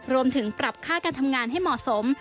รวมถึงปรับค่าการทำงานให้เหมาะสม